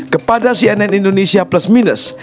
kepada cnn indonesia plus minus